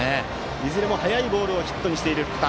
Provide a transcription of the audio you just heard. いずれも速いボールをヒットにしている福田。